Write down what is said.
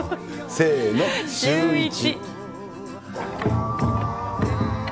せーの、シューイチ。